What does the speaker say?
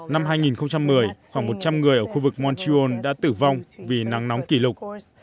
năm hai nghìn một mươi khoảng một trăm linh người ở khu vực montreon đã tử vong vì nắng nóng kỷ lục